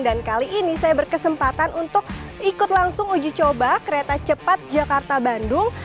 dan kali ini saya berkesempatan untuk ikut langsung uji coba kereta cepat jakarta bandung